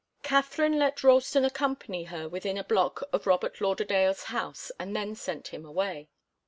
Katharine let Ralston accompany her within a block of Robert Lauderdale's house and then sent him away.